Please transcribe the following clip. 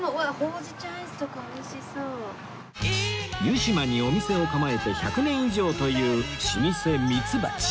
湯島にお店を構えて１００年以上という老舗みつばち